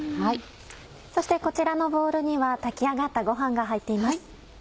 そしてこちらのボウルには炊き上がったご飯が入っています。